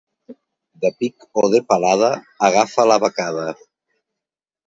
De pic o de palada agafa la becada.